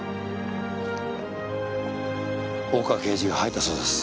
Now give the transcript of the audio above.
岡刑事が吐いたそうです。